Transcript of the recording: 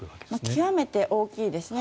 極めて大きいですね。